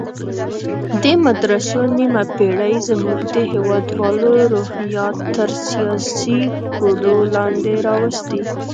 دې مدرسو نیمه پېړۍ زموږ د هېوادوالو روحیات تر سیاسي کوډو لاندې راوستي.